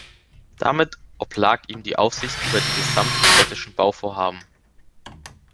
Damit oblag ihm die Aufsicht über die gesamten städtischen Bauvorhaben.